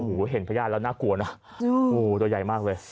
โอ้โหเห็นพญาติแล้วน่ากลัวนะงูตัวใหญ่มากเลย